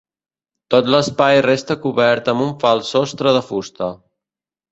Tot l'espai resta cobert amb un fals sostre de fusta.